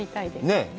ねえ！